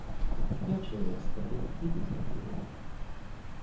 Я чалавек стары і безнадзейны.